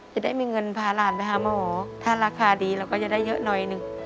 จะได้มีเงินพาหลานไปหาหมอถ้าราคาดีเราก็จะได้เยอะหน่อยหนึ่ง